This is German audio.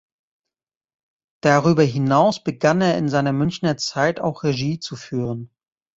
Darüber hinaus begann er in seiner Münchner Zeit auch Regie zu führen.